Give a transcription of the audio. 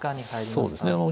そうですね